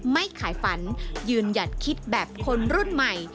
ไม่ขายฝันยืนหยัดคิดแบบคนรุ่นใหม่